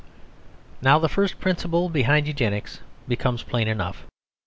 Now the first principle behind Eugenics becomes plain enough.